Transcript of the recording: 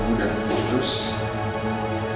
akibat bergoda bersyaraf pegang guna